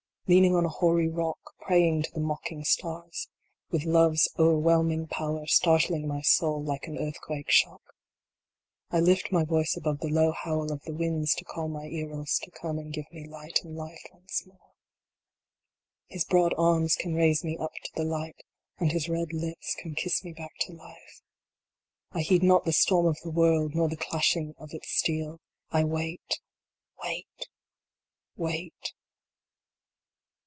Leaning on a hoary rock, praying to the mocking stars. With Love s o erwhelming power startling my soul like an earthquake shock. I lift my voice above the low howl of the winds to call my Eros to come and give me light and life once more. His broad arms can raise me up to the light, and his red lips can kiss me back to life. I heed not the storm of the world, nor the clashing of ts steel. I wait wait wait